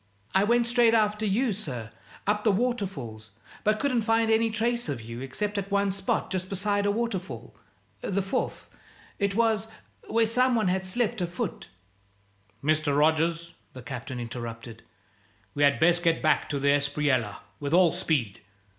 "I went straight after you, sir, up the waterfalls; but couldn't find any trace of you except at one spot just beside a waterfall the fourth, it was where some one had slipped a foot " "Mr. Rogers," the Captain interrupted, "we had best get back to the Espriella with all speed.